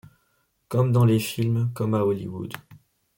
Comme dans les films, comme à Hollywood.